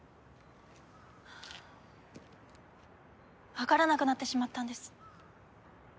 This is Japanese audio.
わからなくなってしまったんです。